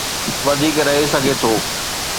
وڌيڪ رهي سگهي ٿو.